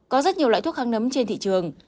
có rất nhiều loại thuốc kháng nấm trên thị trường